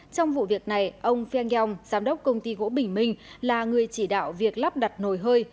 trong vụ việc này ông phiang yong giám đốc công ty gỗ bình minh là người chỉ đạo việc lắp đặt nồi hơi